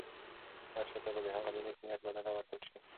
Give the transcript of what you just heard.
هر چا ته به د هغه د نېک نیت بدله ورکړل شي.